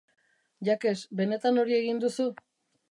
Jacques, benetan hori egin duzu?